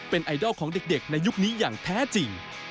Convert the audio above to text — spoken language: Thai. เป็นไอดอลของเด็กในยุคนี้อย่างแท้จริง